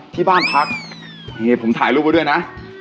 ที่บ้านพักนี่ผมถ่ายรูปไว้ด้วยนะ